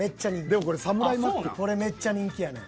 でもこれこれめっちゃ人気やねん。